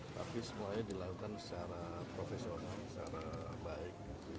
tapi semuanya dilakukan secara profesional secara baik